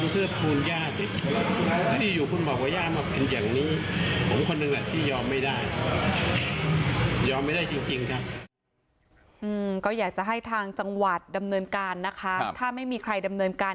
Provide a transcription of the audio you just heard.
ก็อยากจะให้ทางจังหวัดดำเนินการนะคะถ้าไม่มีใครดำเนินการ